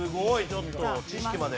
ちょっと知識まで。